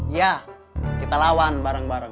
iya kita lawan bareng bareng